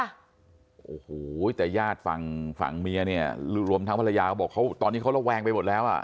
โอ้โหแต่ญาติฟังเมียรวมทั้งภรรยาเขาบอกตอนนี้เขาระแวงไปหมดแล้ว